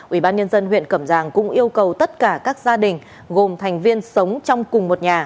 ubnd huyện cẩm giang cũng yêu cầu tất cả các gia đình gồm thành viên sống trong cùng một nhà